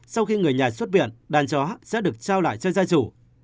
sau khi người nhà xuất viện đàn chó sẽ được trao lại cho gia chủ